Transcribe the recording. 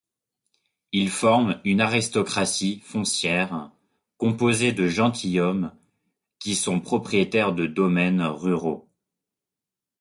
Ils forment une aristocratie foncière composée de gentilshommes qui sont propriétaires de domaines ruraux.